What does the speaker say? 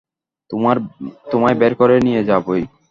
তোমায় বের করে নিয়ে যাবোই।